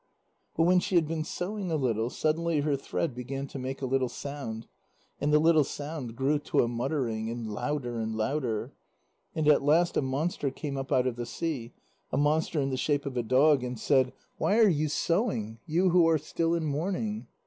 But when she had been sewing a little, suddenly her thread began to make a little sound, and the little sound grew to a muttering, and louder and louder. And at last a monster came up out of the sea; a monster in the shape of a dog, and said: "Why are you sewing, you who are still in mourning?"